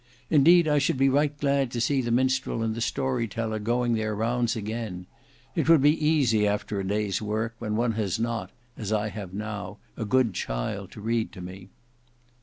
"Indeed I should be right glad to see the minstrel and the storyteller going their rounds again. It would be easy after a day's work, when one has not, as I have now, a good child to read to me."